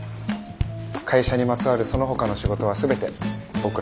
会社にまつわるそのほかの仕事は全て僕らの仕事ですから。